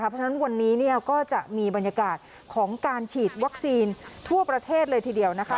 เพราะฉะนั้นวันนี้ก็จะมีบรรยากาศของการฉีดวัคซีนทั่วประเทศเลยทีเดียวนะคะ